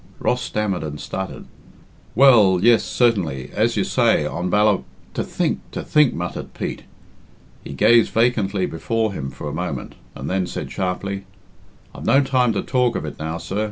Ross stammered and stuttered, "Well, yes, certainly, as you say, on Balla " "To think, to think," muttered Pete. He gazed vacantly before him for a moment, and then said, sharply, "I've no time to talk of it now, sir.